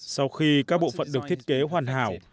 sau khi các bộ phận được thiết kế hoàn hảo